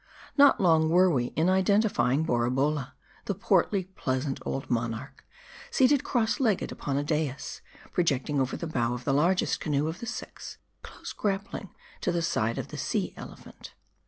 Not long were we in identifying Borabolla : the portly, pleasant old monarch, seated cross. legged upon a dais, pro jecting over the bow of the largest canoe of the six, close grappling to the side of the Sea Elephant.